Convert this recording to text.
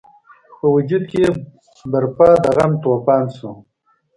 په وجود کې یې برپا د غم توپان شو.